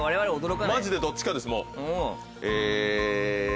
マジでどっちかですもう。え。